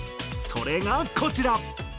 それがこちら。